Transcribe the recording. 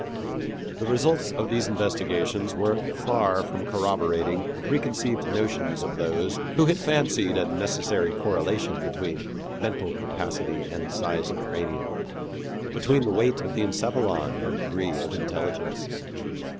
The results of these investigations were far from corroborating the preconceived notions of those who had fancied a necessary correlation between mental capacity and size of cranium, between the weight of encephalon and degree of intelligence.